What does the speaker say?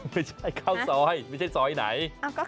ไม่ใช่ข้าวซอยไม่ใช่ซอยไหน